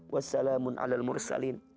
wassalamun ala mursalin